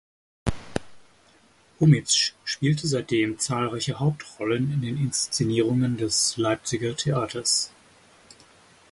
Hummitzsch spielte seitdem zahlreiche Hauptrollen in den Inszenierungen des Leipziger Theaters.